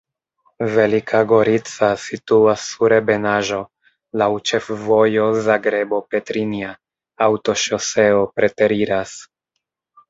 Velika Gorica situas sur ebenaĵo, laŭ ĉefvojo Zagrebo-Petrinja, aŭtoŝoseo preteriras.